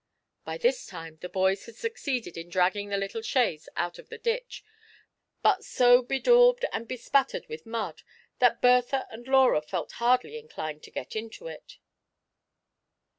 By this time the boys had succeeded in dragging the little chaise out of the ditch, but so bedaubed and be spattered with mud, that Bertha and Laura felt hardly inclined to get into it.